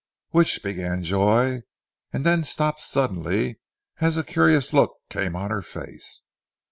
"Which " began Joy, and then stopped suddenly, as a curious look came on her face.